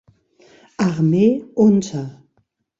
Armee unter.